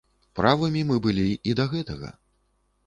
Правымі мы былі і да гэтага.